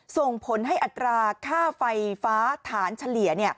ส่งผลให้อัตราค่าไฟฟ้าฐานเฉลี่ย